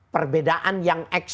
perbedaan yang ekstrim